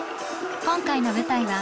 今回の舞台は。